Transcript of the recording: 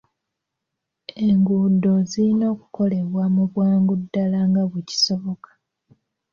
Enguudo zirina okukolebwako mu bwangu ddaala nga bwe kisoboka.